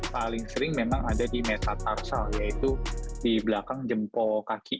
paling sering memang ada di mesa tarsal yaitu di belakang jempol kaki